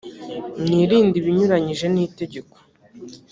mwirinde ibinyuranyije nitegeko.